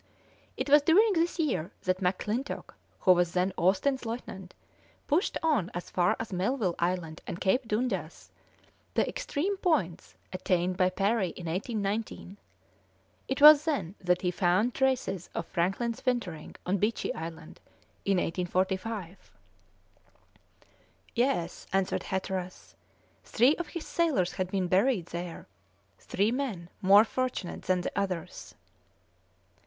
It was during this year that McClintock, who was then Austin's lieutenant, pushed on as far as Melville Island and Cape Dundas, the extreme points attained by Parry in 1819; it was then that he found traces of Franklin's wintering on Beechey Island in 1845." "Yes," answered Hatteras, "three of his sailors had been buried there three men more fortunate than the others!"